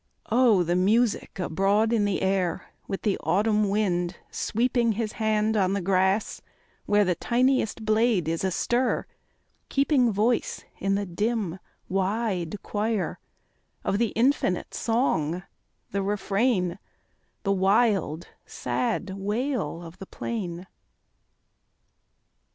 O the music abroad in the air, With the autumn wind sweeping His hand on the grass, where The tiniest blade is astir, keeping Voice in the dim, wide choir, Of the infinite song, the refrain, The wild, sad wail of the plain